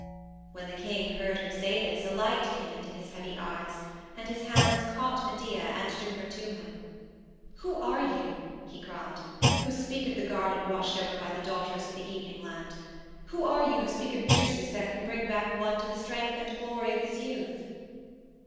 When the king heard her say this a light came into his heavy eyes, and his hands caught Medea and drew her to him. "Who are you?" he cried, "who speak of the garden watched over by the Daughters of the Evening Land? Who are you who speak of juices that can bring back one to the strength and glory of his youth?"